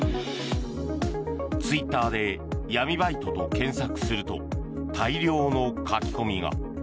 ツイッターで闇バイトと検索すると大量の書き込みが。